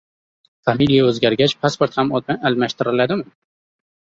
Familiya o‘zgargach, pasport ham almashtiriladimi?